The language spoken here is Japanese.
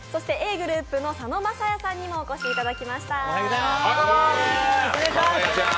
ｇｒｏｕｐの佐野晶哉さんにもお越しいただきました。